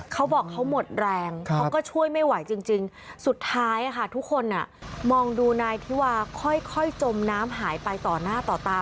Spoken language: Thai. เขาบอกเขาหมดแรงเขาก็ช่วยไม่ไหวจริงสุดท้ายค่ะทุกคนมองดูนายธิวาค่อยจมน้ำหายไปต่อหน้าต่อตา